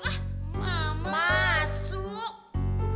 belajar nih lainnya masih jeblok